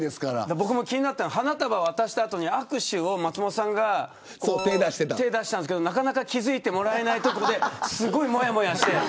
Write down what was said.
僕も気になったのが花束、渡した後に松本さんが握手で手を出したんですけどなかなか気付いてもらえないところで、もやもやして。